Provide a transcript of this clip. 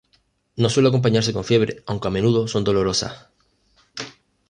No suele acompañarse con fiebre aunque a menudo son dolorosas.